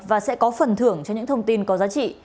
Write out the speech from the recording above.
và sẽ có phần thưởng cho những thông tin có giá trị